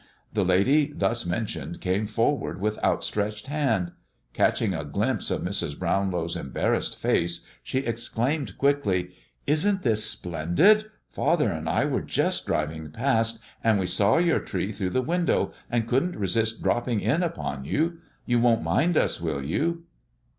The lady thus mentioned came forward with outstretched hand. Catching a glimpse of Mrs. Brownlow's embarrassed face she exclaimed quickly "Isn't this splendid! Father and I were just driving past, and we saw your tree through the window, and couldn't resist dropping in upon you. You won't mind us, will you?"